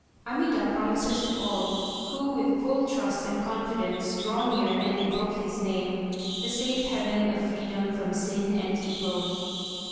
Amida promises to all, who with full trust and confidence draw near and invoke His name, the safe Heaven of freedom from sin and evil.